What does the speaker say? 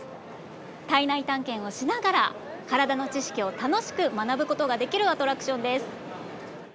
体内探検をしながら体の知識を楽しく学ぶ事ができるアトラクションです。